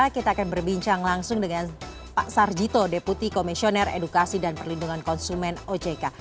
kita akan berbincang langsung dengan pak sarjito deputi komisioner edukasi dan perlindungan konsumen ojk